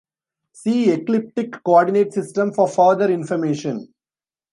See Ecliptic coordinate system for further information.